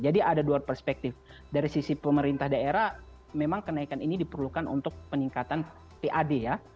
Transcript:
jadi ada dua perspektif dari sisi pemerintah daerah memang kenaikan ini diperlukan untuk peningkatan pad ya